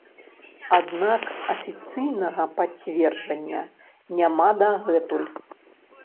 Аднак афіцыйнага пацверджання няма дагэтуль.